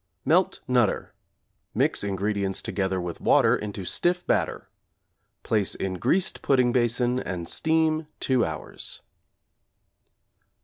Melt 'Nutter'; mix ingredients together with water into stiff batter; place in greased pudding basin and steam 2 hours.